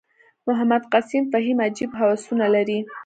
محمد قسیم فهیم عجیب هوسونه لري.